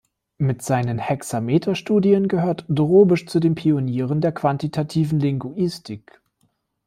Mit seinen Hexameter-Studien gehört Drobisch zu den Pionieren der Quantitativen Linguistik.